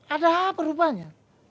ada apa rupanya